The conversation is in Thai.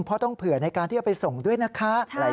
เพราะต้องเผื่อในการที่จะไปส่งด้วยนะคะ